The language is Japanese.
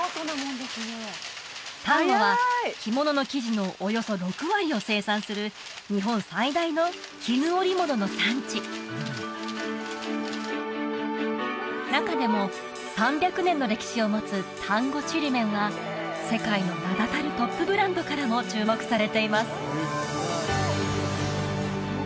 丹後は着物の生地のおよそ６割を生産する日本最大の絹織物の産地中でも３００年の歴史を持つ丹後ちりめんは世界の名だたるトップブランドからも注目されています